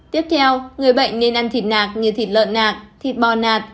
tiếp theo người bệnh nên ăn thịt nạc như thịt lợn nạc thịt bò nạt